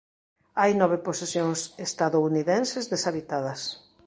Hai nove posesións estadounidenses deshabitadas.